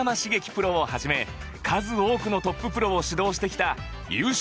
プロをはじめ数多くのトッププロを指導してきた優勝